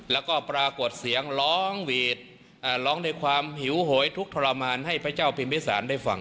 แล้วก็ปรากฏเสียงร้องหยุดถลวมหายิงให้พระเจ้าพิมพิสานได้ฟัง